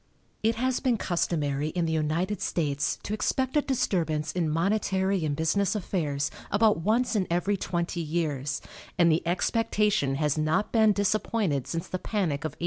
It has been customary in the United States to expect a disturbance in monetary and business affairs about once in every twenty years, and the expectation has not been disappointed since the panic of 1837.